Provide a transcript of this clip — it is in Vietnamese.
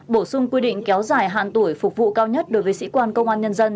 bổ sung quy định kéo dài hạn tuổi phục vụ cao nhất đối với sĩ quan công an nhân dân